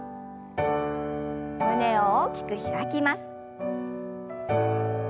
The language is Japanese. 胸を大きく開きます。